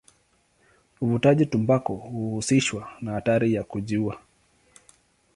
Uvutaji tumbaku huhusishwa na hatari ya kujiua.